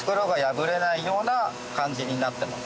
ような感じになってます。